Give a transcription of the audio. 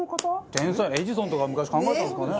天才エジソンとか昔考えたんですかね。